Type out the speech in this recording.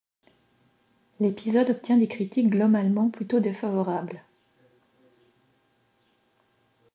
L'épisode obtient des critiques globalement plutôt défavorables.